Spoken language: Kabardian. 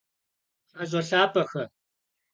Heş'e lhap'exe!